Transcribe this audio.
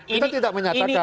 kita tidak menyatakan